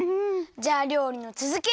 じゃありょうりのつづき！